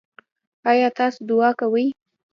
ایا تاسو دعا کوئ؟